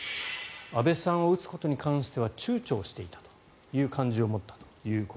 安倍さんを撃つことに対しては躊躇をしているという感じを持ったと。